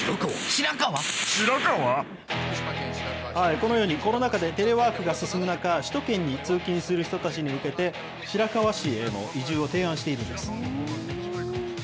このように、コロナ禍でテレワークが進む中、首都圏に通勤する人たちに向けて、白河市への移住を提案しているんです。